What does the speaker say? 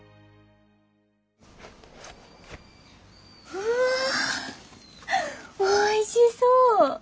うわおいしそう！